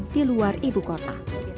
dan di luar ibu kota